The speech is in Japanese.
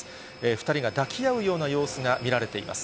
２人が抱き合うような様子が見られています。